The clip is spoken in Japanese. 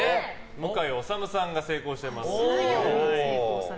向井理さんが成功しています。